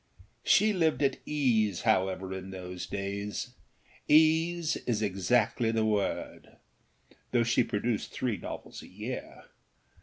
She lived at ease however in those daysâease is exactly the word, though she produced three novels a year.